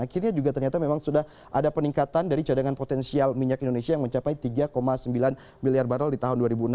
akhirnya juga ternyata memang sudah ada peningkatan dari cadangan potensial minyak indonesia yang mencapai tiga sembilan miliar barrel di tahun dua ribu enam belas